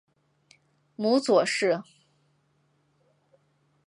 母左氏。